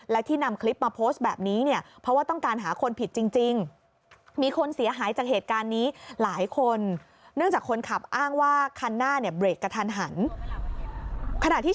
และที่นำคลิปมาโพสต์แบบนี้